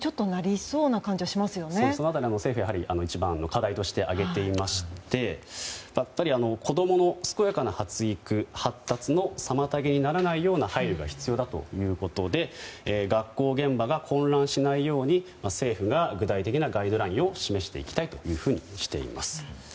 その辺り、政府は一番課題として挙げていまして子供の健やかな発育・発達の妨げにならないような配慮が必要だということで学校現場が混乱しないように政府が具体的なガイドラインを示していきたいとしています。